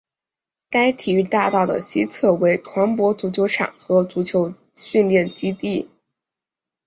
该体育大道的西侧为团泊足球场和足球训练基地。